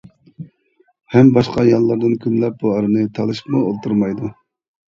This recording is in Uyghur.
ھەم باشقا ئاياللاردىن كۈنلەپ بۇ ئەرنى تالىشىپمۇ ئولتۇرمايدۇ.